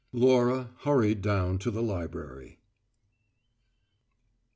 Laura hurried down to the library.